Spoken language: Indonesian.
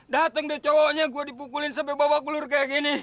dateng deh cowoknya gue dipukulin sampe bawa pelur kayak gini